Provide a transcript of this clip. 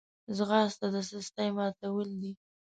ځغاسته د سستۍ ماتول دي